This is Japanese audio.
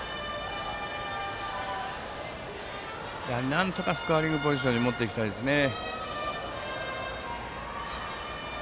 なんとかスコアリングポジションに持っていきたいですね。